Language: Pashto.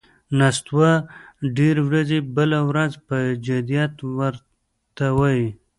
نستوه ډېر ورځي، بله ورځ پهٔ جدیت ور ته وايي: